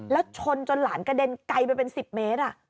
แล้วชนจนหลานกระเด็นไกลไปเป็น๑๐เมตร